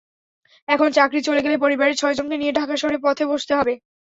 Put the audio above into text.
এখন চাকরি চলে গেলে পরিবারের ছয়জনকে নিয়ে ঢাকা শহরে পথে বসতে হবে।